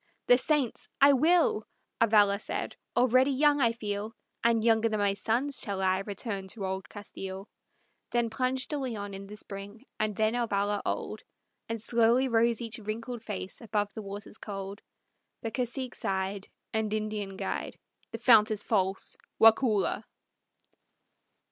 "The saints! I will," Avalla said. "Already young I feel, And younger than my sons shall I return to old Castile." Then plunged De Leon in the spring And then Avalla old, Then slowly rose each wrinkled face above the waters cold. The cacique sighed, And Indian guide, "The fount is false, Waukulla!"